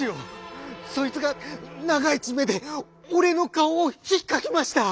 そいつが長い爪で俺の顔をひっかきました」。